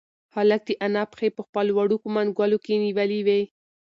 هلک د انا پښې په خپلو وړوکو منگولو کې نیولې وې.